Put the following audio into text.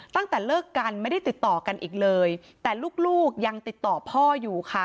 ตั้งแต่เลิกกันไม่ได้ติดต่อกันอีกเลยแต่ลูกลูกยังติดต่อพ่ออยู่ค่ะ